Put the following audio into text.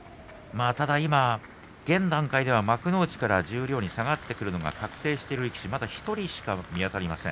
現段階では幕内から十両に下がってくるのが確定している力士は１人しか見当たりません。